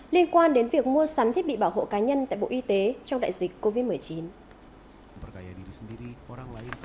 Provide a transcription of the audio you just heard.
liên quan đến việc mua sắm thiết bị bảo hộ cá nhân tại bộ y tế trong đại dịch covid một mươi chín